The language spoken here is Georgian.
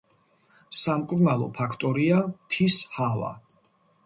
სამკურნალო ფაქტორია მთის ჰავა.